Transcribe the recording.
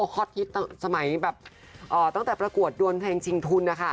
ฮอตฮิตสมัยแบบตั้งแต่ประกวดดวนเพลงชิงทุนนะคะ